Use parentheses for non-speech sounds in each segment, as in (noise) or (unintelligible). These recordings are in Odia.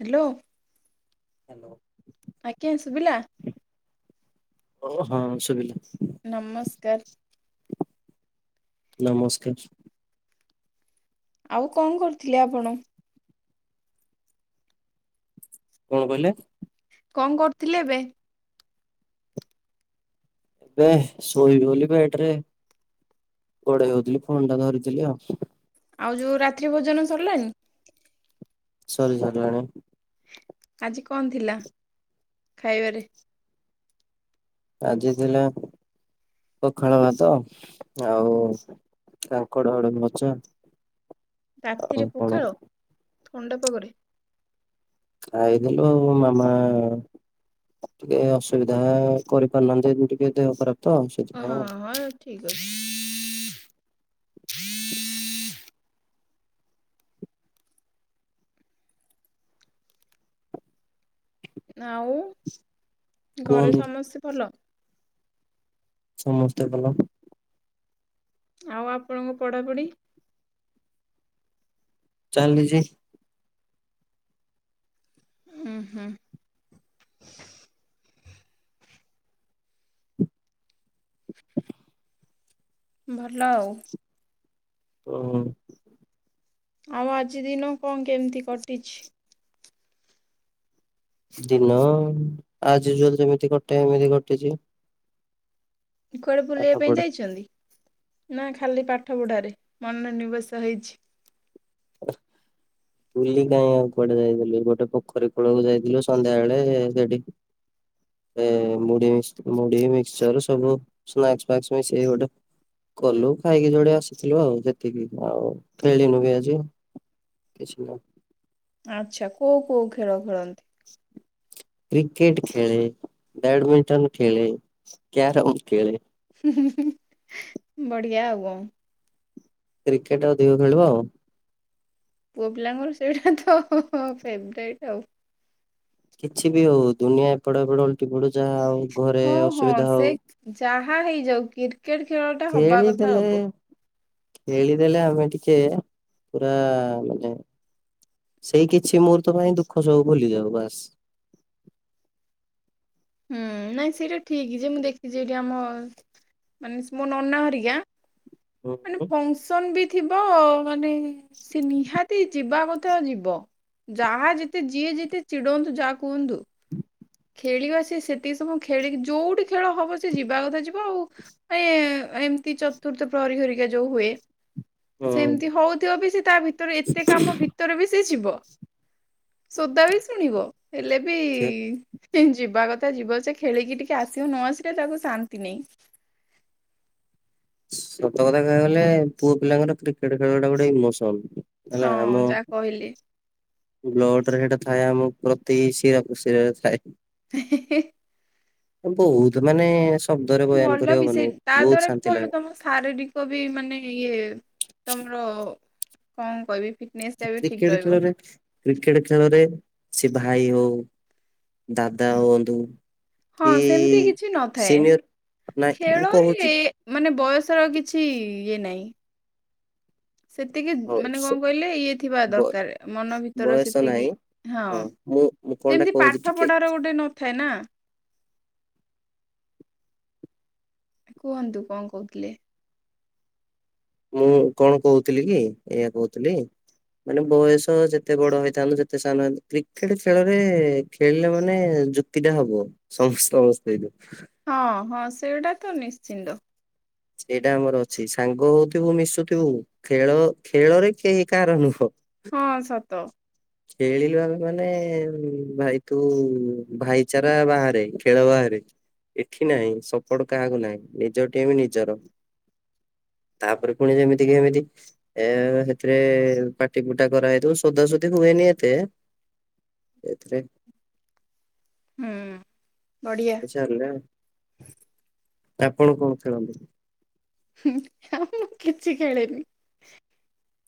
ହ୍ୟାଲୋ। ହ୍ୟାଲୋ। ଆଜ୍ଞା ଶୁବିଲା। ଓ ହଁ ଶୁବିଲା। ନମସ୍କାର। ନମସ୍କାର। ଆଉ କଣ କରୁଥିଲେ ଆପଣ? କଣ କହିଲେ? କଣ କରୁଥିଲେ ଏବେ? ଏଁ ଶୋଇବି ବୋଲି ବେଡ଼ରେ ଗଡେଇ ହଉଥିଲି ଫୋନ ଟା ଧରିଥିଲି ଆଉ। ଆଉ ଯୋଉ ରାତ୍ରି ଭୋଜନ ସରିଲାଣି? ସରି ଗଲାଣି। ଆଜି କଣ ଥିଲା ଖାଇବାରେ? ଆଜି ଥିଲା ପଖାଳ ଭାତ ଆଉ କାଙ୍କଡ଼ ଆଳୁଭଜା। ରାତିରେ ପଖାଳ ଥଣ୍ଡା ପାଗରେ? ଆଇଥିଲୁ ମାମା ଟିକେ ଅସୁବିଧା କରିପାରୁନାହାନ୍ତି ଟିକେ ଦେହ ଖରାପ ତ ସେଥିପାଇଁ ହଁ ଆଉ। ହଁ ଠିକ୍ ଅଛି। ଆଉ ଘରେ କୁହନ୍ତୁ ସମସ୍ତେ ଭଲ? ସମସ୍ତେ ଭଲ। ଆଉ ଆପଣଙ୍କ ପଢାପଢ଼ି? ଚାଲିଛି। ହୁଁ ହୁଁ। ଭଲ ଆଉ। ଓହୋ ଆଉ ଆଜି ଦିନକ କଣ କେମିତି କଟିଛି? ଦିନ ଆଜି ଯୋଉ ଯେମିତି କଟେ ଏମିତି କଟିଛି। କୁଆଡେ ପାଠ ବୁଲିବା ପଢା ପାଇଁ ଯାଇଛନ୍ତି? ନା ଖାଲି ପାଠ ପଢାରେ ମନୋ ନିବେଶ ହେଇଛି। (inaudible) ବୁଲି କାଇଁ ଆଉ କୁଆଡେ ଯାଇଥିଲି ଗୋଟେ ପୋଖରୀ କୂଳକୁ ଯାଇଥିଲୁ ସନ୍ଧ୍ୟା ବେଳେ ସେଠି ଏଁ ମୁଢି ମିସ ମୁଢି ମିଶ୍ଚର ସବୁ ସ୍ନାକ୍ସ ଫ୍ନାକ୍ସ ମିଶେଇକି ଗୋଟେ କଲୁ ଖାଇକି ଯୋଡେ ଆସିଥିଲୁ ଆଉ ସେତିକି ଆଉ ଖେଳିନୁ ବି ଆଜି। କିଛି ନା। ଆଚ୍ଛା କୋଉ କୋଉ ଖେଳ ଖେଳନ୍ତି? (inaudible) କ୍ରିକେଟ ଖେଳେ ବ୍ୟାଡମିଣ୍ଟନ ଖେଳେ କ୍ୟାରମ ଖେଳେ। ହୁଁ ହୁଁ ବଢିଆ ଆଉ କଣ? କ୍ରିକେଟ ଅଧିକ ଖେଳୁ ଆଉ। ପୁଅ ପିଲାଙ୍କର ସେଇଟା ତ ଫେବ୍ରାଇଟ୍ ଆଉ। କିଛି ବି ହଉ ଦୁନିଆ ଏପଟ ହେପଟ ଓଲ୍ଟି ପଡୁ ଯାହା ହଉ ଘରେ ହଁ ହଁ ଅସୁବିଧା ସେ ହଉ ଯାହା ହେଇଯାଉ କ୍ରିକେଟ୍ ଖେଳ ଟା ହବା କଥା ଖେଳିଦେଲେ ହବ। ଖେଳିଦେଲେ ଆମେ ଟିକେ ପୁରା ମାନେ ସେଇ କିଛି ମୁହୂର୍ତ୍ତ ପାଇଁ ଦୁଃଖ ସବୁ ଭୁଲି ଯାଉ ବାସ୍। ହୁଁ ନାଇଁ ସେଇଟା ଠିକ୍ ଯେ ମୁଁ ଦେଖିଛି ଏଇଠି ଆମ ମାନେ ମୋ ନନା ହରିକା ହୁଁ ମାନେ ହୁଁ ଫଙ୍କସନ୍ ବି ଥିବ ମାନେ ସେନିହାତି ଯିବା କ ତ ଯିବ ଯାହା ଯେତେ ଯିଏ ଯେତେ ଚିଡଉନ୍ତୁ ଯାହା କୁହନ୍ତୁ ଖେଳିବା ସେ ସେତିକି ସମୟ ଖେଳିକି ଯୋଉଠି ଖେଳ ହବ ସେଯିବା କଥା ଯିବ ଆଉ। ସେ ଏମିତି ଚତୁର୍ଥ ପ୍ରହରୀ ଘରିକା ଯୋଉ ହୁଏ। ସେମିତି ହଉଥିବବି ସେତାଭିତରେ ଏତେ କାମ ଭି ଭିତରବି ସେଯିବ, ସୋଦାବି ଶୁଣିବ ହେଲେ ବି ସେ ହିଁ ଯିବା କଥା ଯିବ ସେଖେଳିକି ଟିକେ ଆସିବ ନଆସିଲେ ତାକୁ ଶାନ୍ତି ନାଇଁ। ସତ କଥା କହିବାକୁ ଗଲେ ପୁଅ ପିଲାଙ୍କର କ୍ରିକେଟ୍ ଖେଳଟା ଗୋଟେ ଇମୋସନ୍। ହେଲା ହଁ ଆମ ଯାହା କହିଲେ ବ୍ଲଡ଼ରେ ସେଟା ଥାଏ ଆମ ପ୍ରତି ଶିରା ପ୍ରଶିରାରେ ଥାଏ। ହେ ହେ ହେ। ବହୁତ୍ ମାନେ ଶବ୍ଦରେ ବୟାନ କରି ଭଲବି ହବନି ସେଇ ବହୁତ ତାଦ୍ଵାରା ଶାନ୍ତି ଭଲ ଲାଗେ ତମ ଶାରୀରି କ ବି ମାନେ ଇଏ ତମର କଣ କହିବି ଫିଟନେସ୍ ଟା ବି ଠିକ କ୍ରିକେଟ୍ ରହିବ। ଖେଳରେ କ୍ରିକେଟ୍ ଖେଳରେ ସେଭାଇ ହଉ, ଦାଦା ହୁଅନ୍ତୁ କି ହଁ ସେମିତି କିଛି ନଥାଏ। ସିନିୟର, ନାଇଁ ମୁଁ ଖେଳରେ କହୁଚି ମାନେ ବୟସର କିଛି ଇଏ ନାହିଁ। ସେତିକି ହଁ ମାନେ କଣ ସ- କହିଲେ ଇଏ ଥିବା ବ ଦରକାର ମନ ଭିତର ବୟସ ନାହିଁ ସେତିକି ହଁ ମୁଁ ମୁଁ କଣଟା ଯେମିତି କହୁଛି ପାଠ ଟିକେ ପଢାର ଗୋଟେ ନ ଥାଏନା। କୁହନ୍ତୁ କଣ କହୁଥିଲେ? ମୁଁ କଣ କହୁଥିଲିକି ଏଇଆ କହୁଥିଲି ମାନେ ବୟସ ଯେତେ ବଡ଼ ହେଇଥାନ୍ତୁ ଯେତେ ସାନ ହୋଇଇ କ୍ରିକେଟ୍ ଖେଳରେ ଖେଳିଲେ ମାନେ ଯ ତିଟା ହବ ସମସ୍ତେ ସମସ୍ତେ ଏଇଠୁ ହଁ ହଁ ସେଇଟାତ ନିଶ୍ଚିନ୍ତ। ସେଇଟା ଆମର ଅଛି ସାଙ୍ଗ ହଉଥିବୁ ମିଶୁଥିବୁ ଖେଳ ଖେଳରେ କେହି କାହାର ନୁହଁ। ହଁ ସତ। ଖେଳିଲୁ ଆମେ ମାନେ ଭାଇ ତୁ ଭାଇଚାରା ବାହାରେ ଖେଳ ବାହାରେ। ଏଠି ନାହିଁ ସପୋର୍ଟ କାହାକୁ ନାହିଁ ନିଜ ଟିମ୍ ନିଜର। ତାପରେ ପୁଣି ଯେମିତି କିି ଏମିତି ଏ ସେଥିରେ ପାଟି ପୁଟା କରାଇଥିବ ସୋଦା ସୋଦୀ ହୁଏନି ଏତେ ରେ ହୁଁ ବଢିଆ ଚାଲେ ଆପଣ କଣ ଖେଳନ୍ତି? ହଁ ଆଉ ମୁଁ କିଛି ଖେଳିନି।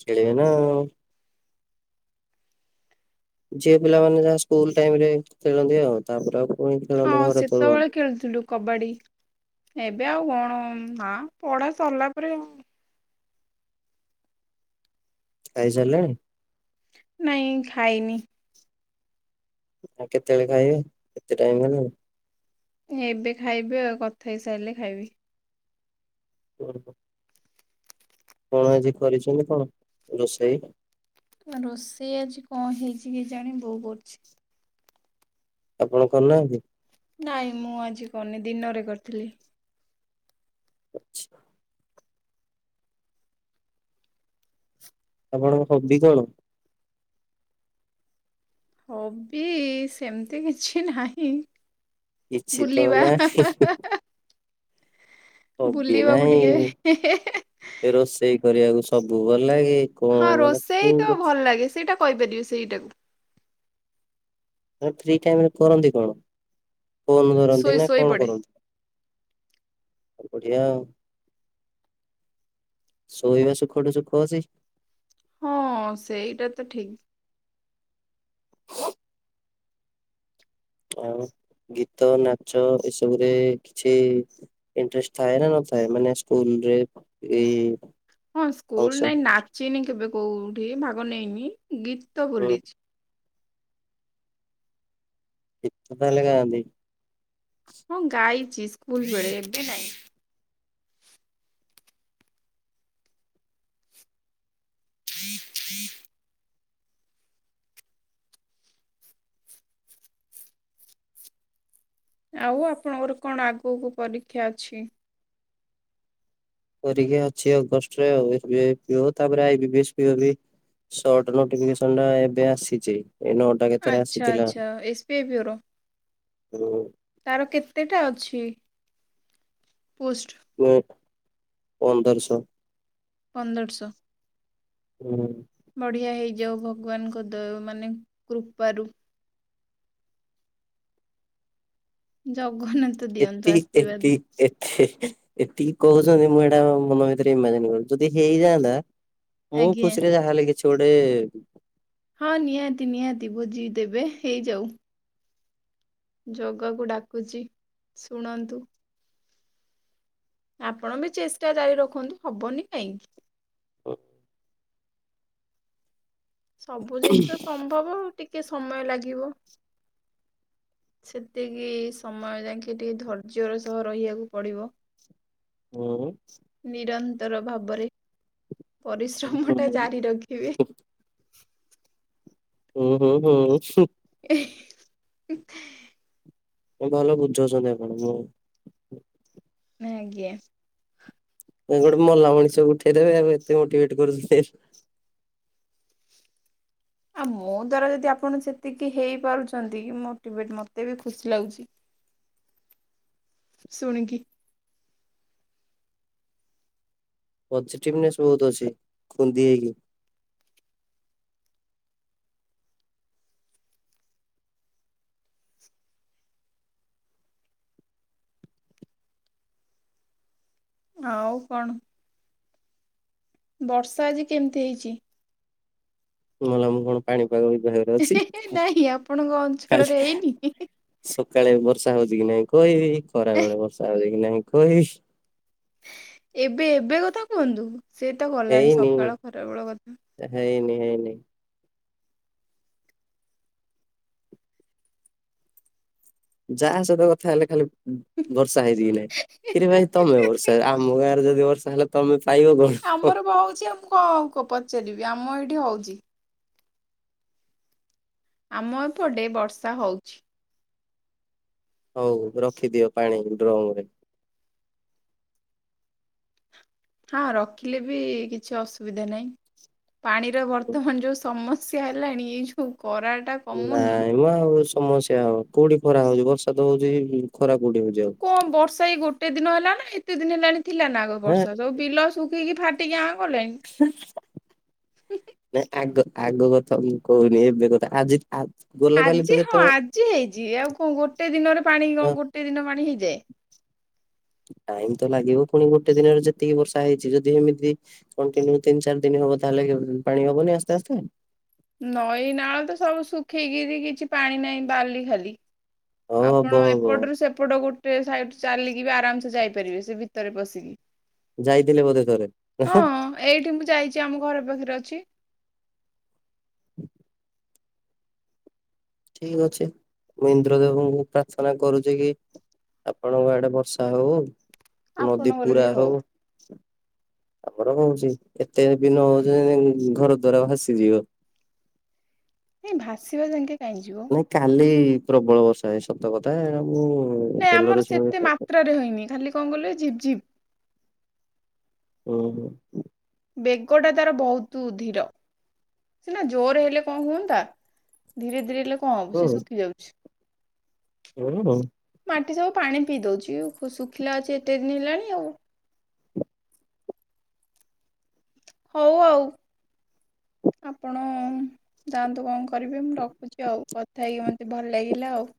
ଖେଳିବେନା ଆଉ। ଝିଅ ପିଲାମାନେ ଯାହା ସ୍କୁଲ ଟାଇମରେ ଖେଳନ୍ତି ଆଉ ତାପରେ ଆଉ ପୁଣି ହଁ ଖେଳନ୍ତି ଘରେତ ସେତେବେଳେ ରୁହନ୍ତି। ଖେଳୁଥିଲୁ। କବାଡ଼ି ଏବେ ଆଉ କଣ ମା ପଢା ସରିଲା ପରେ ଆଉ ଖାଇସାରିଲେଣି? ନାଇଁ ଖାଇନି। ଆଉ କେତେବେଳେ ଖାଇବେ ଏତେ ଟାଇମ୍ ହେଲାଣି? ଏବେ ଖାଇବି ଆଉ କଥା ହେଇସାରିଲେ ଖାଇବି। ଓହୋ। କଣ ଆଜି କରିଛନ୍ତି କଣ ରୋଷେଇ? ରୋଷେଇ ଆଜି କଣ ହେଇଛି କେଜାଣି ବୋଉ କରୁଛି। ଆପଣ କରୁନାହାନ୍ତି? ନାାଇଁ ମୁଁ ଆଜି କରିନି ଦିନରେ କରିଥିଲି। ଆଛ ଆପଣଙ୍କ ହବି କଣ? ହବି ସେମିତି କିଛି ନାହିଁ କିଛି ତ ବୁଲିବା ହାଁ ନାହିଁ ହାଁ ହାଁ ହାଁ। ହବି ନାଇଁ ଟିକେ ରୋଷେଇ କରିବାକୁ ସବୁ ଭଲ ଲାଗେ। କଣ ହଁ ମାନେ ରୋଷେଇ କୋଉ ତ ଭଲ ଲାଗେ ସେଇଟା କହିପାରିବେ ସେଇଟାକୁ ଫ୍ରି ଟାଇମ୍ ରେ କରନ୍ତି କଣ ଫୋନ ଧରନ୍ତି ଶୋଇ ନା ଶୋଇ କଣ ପଡେ। କରନ୍ତି? ବଢ଼ିଆ ଆଉ। ଶୋଇବା ସୁଖଠୁ ସୁଖ ଅଛି। ହଁ ସେଇଟା ତ ଠିକ୍। ଆଉ ଗୀତ ନାଚ ଏସବୁରେ କିଛି ଇଣ୍ଟ୍ରେଷ୍ଟ ଥାଏ ନା ନଥାଏ ମାନେ ସ୍କୁଲରେ? ହଁ ସ୍କୁଲ ଫଙ୍କସନ୍ ନାଇଁ ନାଚିନି କେବେ କୋଉଠି ଭାଗ ନେଇନି ଗୀତ ହୁଁ ବୋଲିଛି। ଗୀତ ତାହେଲେ ଗାଆନ୍ତି? ହଁ ଗାଇଛି ସ୍କୁଲ ବେଳେ ଏବେ ନାଇଁ। (inaudible) ଆଉ ଆପଣଙ୍କର କଣ ଆଗକୁ ପରୀକ୍ଷା ଅଛି? ପରୀକ୍ଷା ଅଛି ଅଗଷ୍ଟରେ ଆଉ (unintelligible) ସର୍ଟ ନୋଟିଫିକସନ ଟା ଏବେ ଆସିଛି ଏ ନ ଆଚ୍ଛା ଆଚ୍ଛା ଏସ୍ପିଆଇ ବ୍ୟରୋ। ହୁଁ। ତାର କେତେଟା ଅଛି ପୋଷ୍ଟ? ପ ପନ୍ଦରଶହ। ପନ୍ଦରଶହ? ହଁ। ବଢ଼ିଆ ହେଇଯାଉ ଭଗବାନଙ୍କ ଦୟ ମାନେ କୃପାରୁ। ଜଘନ୍ନାଥ ଦିଅନ୍ତୁ ଏତିକି ଆଶୀର୍ବାଦ। ଏତିକି ଏତେ ଏତିକି କହୁଛନ୍ତି ମୁଁ ଏଇଟା ମୋ ମନ ଭିତରେ ଇମାଜିନ କରୁଛି ଯଦି ହେଇଯାଆନ୍ତା ମୁଁ ଆଜ୍ଞା। ଖୁସିରେ ଯାହା ହେଲେ କିଛି ଗୋଟେ ହଁ ନିହାତି ନିହାତି ଭୋଜି ଦେବେ ହେଇଯାଉ। ଜଗାକୁ ଡାକୁଛି ଶୁଣନ୍ତୁ। ଆପଣ ବି ଚେଷ୍ଟା ଜାରି ରଖନ୍ତୁ ହବନି କାହିଁକି। ଓ। ସବୁ ଜିନିଷ ସମ୍ଭବ ଟିକେ ସମୟ ଲାଗିବ। ସେତିକି ସମୟ ଯାଙ୍କେ ଟିକେ ଧୈର୍ଯ୍ୟର ସହ ରହିବାକୁ ପଡି଼ବ। ହୁଁ। ନିରନ୍ତର ଭାବରେ ପରିଶ୍ରମ ହୁଁ ଟା ଜାରି ରଖିବେ। ହୁଁ ହୁଁ ହୁଁ ହୁଁ ହୁଁ। ଏଃ ହଉ ଭଲ ବୁଝଉଛନ୍ତି ଆପଣ ହଁ। ଆଜ୍ଞା। ଗୋଟେ ମଲା ମଣିଷକୁ ଉଠେଇଦେବେ ଆଉ ଏତେ ମୋଟିଭେଟ କରୁଛି ସେ। ଆଉ ମୋ ଦ୍ୱାରା ଯଦି ଆପଣ ସେତିକି ହେଇପାରୁଛନ୍ତି ମୋଟିଭେଟ ମୋତେ ବି ଖୁସି ଲାଗୁଛି। ଶୁଣିକିି ପଜିଟିଭନେସ ବହୁତ ଅଛି ଖୁନ୍ଦି ହେଇକି। ଆଉ କଣ? ବର୍ଷା ଆଜି କେମିତି ହେଇଛି? ମଲା ମୁଁ କଣ ପାଣିପାଗ ବିିଭାଗରେ ନାହିଁ ଆପଣଙ୍କ ଅଞ୍ଚଳରେ ହେଇନି। ସକାଳେ ବର୍ଷା ହଉଛି କି ନାହିଁ କହିବି ଖରାବେଳେ ବର୍ଷା ହଉଛି କି ନାହିଁ କହିବି? ଏବେ ଏବେ କଥା କୁହନ୍ତୁ ସେ ତ ଗଲାଣି ସକାଳ ଖରାବେଳ କଥା। ନା ହେଇନି ହେଇନି। ଯାହା ସହିତ କଥା ହେଲେ ଖାଲି ବର୍ଷା ହେଇଛି କି ନାଇଁ ଇରେ ଭାଇ ତମେ ବର୍ଷା ଆମ ଗାଁରେ ଯଦି ବର୍ଷା ହେଲା ତମେ ପାଇବ କଣ? ଆମର ବା ହଉଛି ଆଉ ମୁଁ କଣ ଆଉ କଣ ପଚାରିବି ଆମ ଏଇଠି ହଉଛି। ଆମ ଏପଟେ ବର୍ଷା ହଉଛି। ହଉ ରଖିଦିଅ ପାଣି ଡ୍ରମ ରେ। ହଁ ରଖିଲେ ବି କିଛି ଅସୁବିଧା ନାହିଁ ପାଣିର ବର୍ତ୍ତମାନ ଯୋଉ ସମସ ସମସ୍ୟା ହେଲାଣି ଏଇ ଯୋଉ ଖରାଟା ନାଇଁ ମ ଆଉ ସମସ୍ୟା ହବ କୋଉଠି ଖରା ହଉଛି ବର୍ଷା ତ ହଉଛି ହେଇ ଖରା କୋଉଠି ହଉଛି। ଆଉ। କଣ ବର୍ଷା ଏଇ ଗୋଟେ ଦିନ ହେଲା ନା ଏତେ ଦିନ ହେଲାଣି ଥିଲା ନା ଆଗ ହେଁ ବର୍ଷା ସବୁ ବିଲ ଶୁଖିକି ଫାଟିକି ଆଁ କଲାଣି। ଫୁସୁର୍ ଫୁସୁର୍। ନାଇଁ ଆଗ କଥା ଆଗ କଥା ମୁଁ କହୁନି ଏବେ କଥା ଆଜି ଆ ଗଲା କାଲି ତ ଆଜି ଯେତେ ହଁ ଆଜି ହେଇଛି ଆଉ କଣ ଗୋଟେ ଦିନରେ ପାଣି ହଁ କଣ ଗୋଟେ ଦିନ ପାଣି ହେଇଯାଏ। ଟାଇମ ତ ଲାଗିବ ପୁଣି ଗୋଟେ ଦିନରେ ଯେତିକି ବର୍ଷା ହେଇଛି ଯଦି ଏମିତି କଣ୍ଟିନ୍ୟୁ ତିନି ଚାରି ଦିନ ହବ ତାହଲେ ପାଣି ହବନି ଆସ୍ତେ ଆସ୍ତେ। ନଈ ନାଳ ତ ସବୁ ଶୁଖିକିରି କିଛି ପାଣି ନାହିଁ ବାଲି ଖାଲି। ହଉ ଆପଣ ହବ ହବ ଏପଟରୁ ସେପଟ ଗୋଟେ ସାଇଡ଼ ଚାଲିକି ବି ଆରାମ ସେ ଯାଇପାରିବେ ସେ ଭିତରେ ପଶିକି। ଯାଇଥିଲେ ବୋଧେ ଥରେ। ହଁ ଏଇଠି ମୁଁ ଯାଇଛି ଆମ ଘର ପାଖରେ ଅଛି। ହଁ ଠିକ ଅଛି ମୁଁ ଇନ୍ଦ୍ର ଦେବଙ୍କୁ ପ୍ରାର୍ଥନା କରୁଛି କି ଆପଣଙ୍କ ଆଡେ ବର୍ଷା ହଉ ନଦୀ ଆପଣଙ୍କର ବି ପୁରା ହଉ। ଆମର ହଉଛି ଏତେ ବି ନ ହଉଛି ଘର ଦ୍ଵାର ଭାସିଯିବ। ଏଇ ଭାସିବା ଯାକେଁ କାଇଁଯିବ? ନାଇଁ କାଲି ପ୍ରବଳ ବର୍ଷା ହେଇ ସତ କଥା ମୁଁ ନାଇଁ ତେଲରେ ଆମର ଶୁଣି ସେତେ ମାତ୍ରାରେ ହେଇନି ଖାଲି କଣ କହିଲେ ଝିପ୍ ଝିପ୍। ଓ ହୋ। ବେଗଟା ତାର ବହୁତ ଧିର। ସିନା ଜୋରେ ହେଲେ କଣ ହୁଅନ୍ତା ଧୀରେ ଧୀରେ ହେଲେ କଣ ହବ ସେ ଶୁଖି ଯାଉଛି। ଓ ହୋ। ମାଟି ସବୁ ପାଣି ପିଇ ଦଉଛି ଶୁଖିଲା ଅଛି ଏତେ ଦିନ ହେଲାଣି ଆଉ। ହଉ ଆଉ ଆପଣ। ଜାଆନ୍ତୁ କଣ କରିବେ ମୁଁ ରଖୁଛି ଆଉ କଥା ହେଇକି ମତେ ଭଲ ଲାଗିଲା ଆଉ।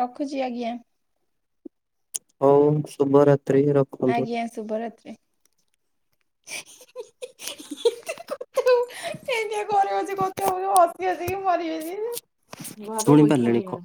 ରଖୁଚି ଆଜ୍ଞା। ହଉ ଶୁଭରାତ୍ରି ର ଆଜ୍ଞା ଶୁଭରାତ୍ରି। ହୁଁ, କେମିତିଆ ଘରେ ବସି କଥା ହଉଚୁ ହସି ହସି କି ମରିଯିବି ଲୋ। ଶୁଣି ପାରିଲେଣି କ